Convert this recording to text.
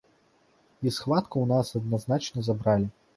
І схватку ў нас адназначна забралі.